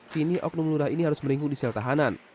kini oknum lurah ini harus meringku di sel tahanan